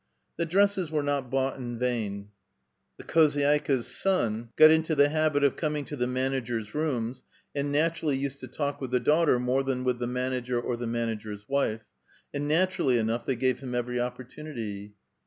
The dresses were not bought in vain ; the khoz\jd%kix'z ^ow 16 A VITAL QUESTION. got into the habit of coming to the manager's rooms, and naturally used to taiK witu uie daughter more than with the manager or the manager*s wife, and naturally enough they gave him evei*y opportunity.